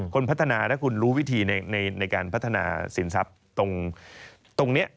คนพัฒนาถ้าคุณรู้วิธีในการพัฒนาสินทรัพย์ตรงนี้